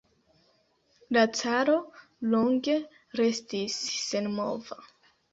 La caro longe restis senmova.